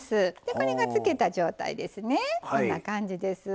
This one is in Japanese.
これが漬けた状態ですね。